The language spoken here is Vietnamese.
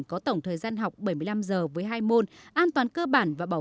có tổng thời gian học bảy mươi năm giờ với hai môn an toàn cơ bản và bổ sung